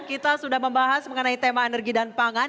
kita sudah membahas mengenai tema energi dan pangan